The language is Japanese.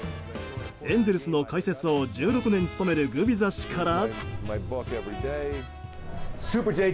エンゼルスの解説を１６年務めるグビザ氏から。